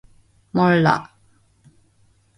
몰라.